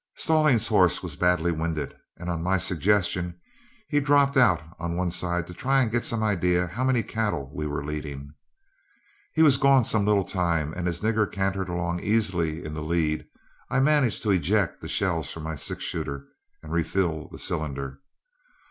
Stallings's horse was badly winded, and on my suggestion, he dropped out on one side to try to get some idea how many cattle we were leading. He was gone some little time, and as Nigger cantered along easily in the lead, I managed to eject the shells from my six shooter and refill the cylinder.